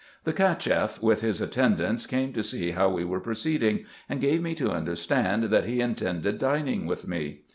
The Cacheff, with his attendants, came to see how we were proceeding, and gave me to understand, that he intended dining with me.